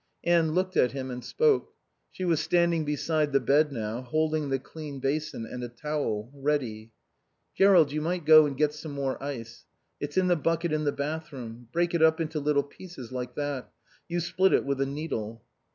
Anne looked at him and spoke. She was standing beside the bed now, holding the clean basin and a towel, ready. "Jerrold, you might go and get some more ice. It's in the bucket in the bath room. Break it up into little pieces, like that. You split it with a needle."